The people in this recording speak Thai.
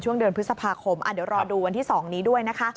เดือนพฤษภาคมเดี๋ยวรอดูวันที่๒นี้ด้วยนะคะ